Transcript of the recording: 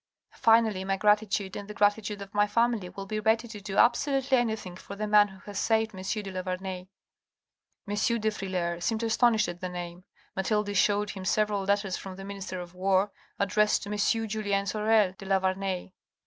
Finally, my gratitude and the gratitude of my family will be ready to do absolutely anything for the man who has saved M. de la Vernaye." M. de Frilair seemed astonished at the name. Mathilde shewed him several letters from the Minister of War, addressed to M. Julien Sorel de la Vernaye.